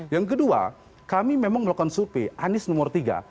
yang kedua kami memang melakukan survei anies nomor tiga